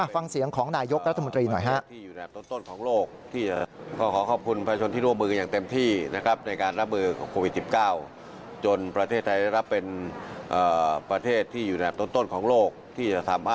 ฟังเสียงของนายกรัฐมนตรีหน่อยฮะ